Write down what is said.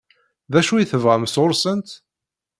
D acu i tebɣam sɣur-sent?